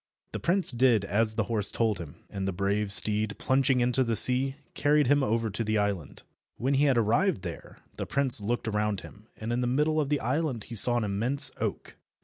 The prince did as the horse told him, and the brave steed, plunging into the sea, carried him over to the island. When he had arrived there, the prince looked around him, and in the middle of the island he saw an immense oak.